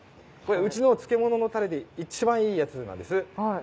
これうちの漬物のタレで一番いいやつなんです。